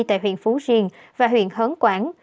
tại huyện phú riền và huyện hấn quảng